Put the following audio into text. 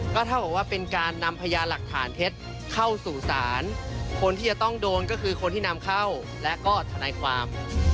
ก็เท่ากับว่าเป็นการนำพยานหลักฐานเท็จเข้าสู่ศาลคนที่จะต้องโดนก็คือคนที่นำเข้าและก็ทนายความ